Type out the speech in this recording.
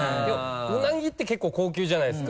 うなぎって結構高級じゃないですか。